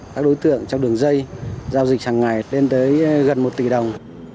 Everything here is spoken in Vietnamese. các đối tượng trong đường dây giao dịch hàng ngày lên tới gần một tỷ đồng